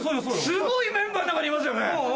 すごいメンバーの中にいますよね。